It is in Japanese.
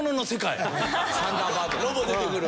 ロボ出てくる？